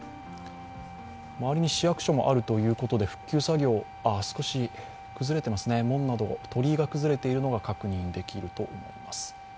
周りに市役所もあるということで復旧作業少し崩れていますね、門など鳥居が崩れているのが確認できると思います。